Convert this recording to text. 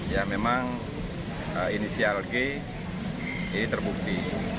ya memang inisial g ini terbukti